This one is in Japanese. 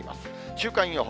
週間予報。